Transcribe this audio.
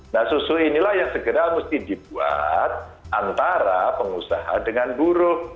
nah susu inilah yang segera mesti dibuat antara pengusaha dengan buruh